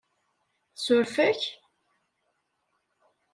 Tsuref-ak?